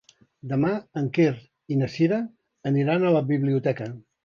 Demà en Quer i na Cira aniran a la biblioteca.